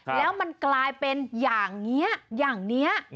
แล้วมันกลายเป็นอย่างนี้อย่างนี้